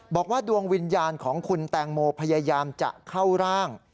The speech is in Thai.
บอกว่าดวงวิญญาณของคุณแตงโมพยายามจะเข้าร่าง